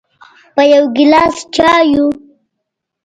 په یو ګیلاس چایو